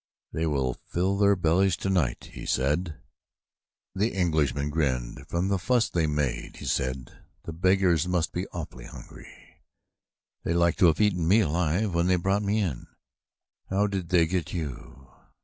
"They will fill their bellies tonight," he said. The Englishman grinned. "From the fuss they made," he said, "the beggars must be awfully hungry. They like to have eaten me alive when they brought me in. How did they get you?"